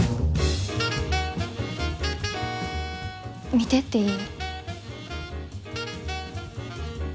見てっていい？